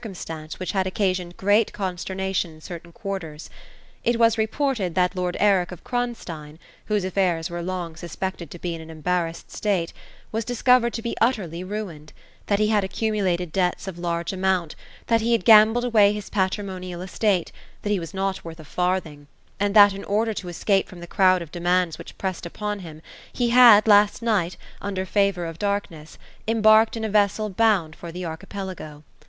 251 cumstance which had occasioned great coDStcrnation in certain quarters It was reported that lord Eric of Kronstein, whose affairs were long suspected to he in an embarrassed state, was discovered to be utterly ruined ; that he had accumulated debts of large amount, that he had gambled away his patrimonial estate, that he was not worth a farthing, and that in order to escape from the crowd of demands which pressed upon him, he had, last night, under favour of darkness, embarked in a vessel bound for the Archipelago.